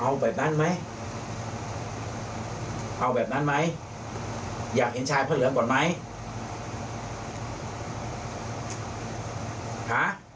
เอาแบบนั้นไหมเอาแบบนั้นไหมอยากเห็นชายพระเหลืองก่อนไหมฮะ